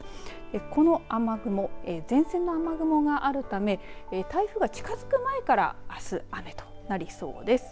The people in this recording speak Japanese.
この雨雲、前線の雨雲があるため台風が近づく前からあす雨となりそうです。